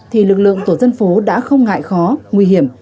thì lực lượng tổ dân phố đã không ngại khó nguy hiểm